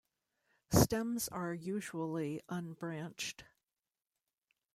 Stems are usually unbranched.